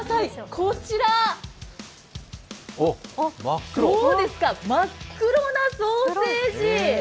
こちら、どうですか、真っ黒なソーセージ。